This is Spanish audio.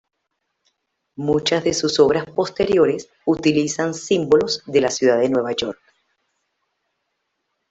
Muchas de sus obras posteriores utilizan símbolos de la ciudad de Nueva York.